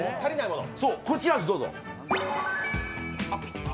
こちらです、どうぞ。